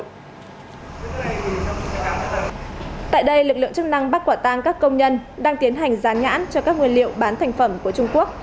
tại đây lực lượng chức năng bắt quả tang các công nhân đang tiến hành rán nhãn cho các nguyên liệu bán thành phẩm của trung quốc